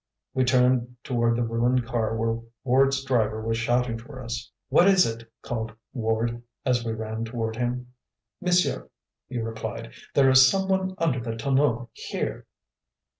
We turned toward the ruined car where Ward's driver was shouting for us. "What is it?" called Ward as we ran toward him. "Monsieur," he replied, "there is some one under the tonneau here!"